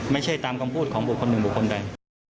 ไม่ใช่ตามคำพูดของบุคคลหนึ่งบุคคลใด